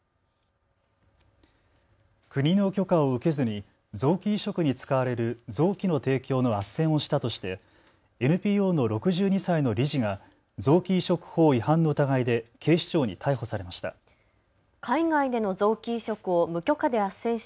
国の許可を受けずに臓器移植に使われる臓器の提供のあっせんをしたとしてＮＰＯの６２歳の理事が臓器移植法違反の疑いで警視庁に逮捕されました。